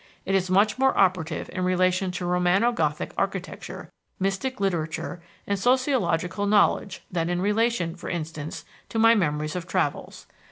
It is much more operative in relation to Romano Gothic architecture, mystic literature, and sociological knowledge than in relation, for instance, to my memories of travels.